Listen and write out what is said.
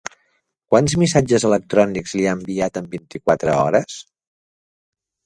Quants missatges electrònics li han enviat en vint-i-quatre hores?